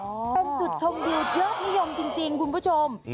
เป็นจุดชมวิวยอดนิยมจริงคุณผู้ชม